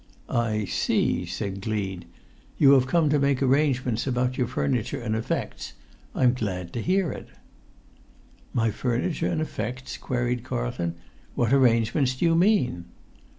"I see," said Gleed. "You have come to make arrangements about your furniture and effects. I am glad to hear it." "My furniture and effects?" queried Carlton. "What arrangements do you mean?"